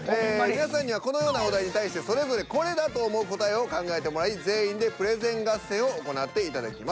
皆さんにはこのようなお題に対してそれぞれこれだと思う答えを考えてもらい全員でプレゼン合戦を行っていただきます。